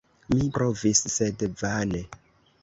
Mi provis, sed vane.